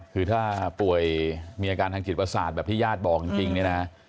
คือถ้าป่วยมีอาการทางจิตประสาทแบบที่ญาติบอกจริงเนี่ยนะ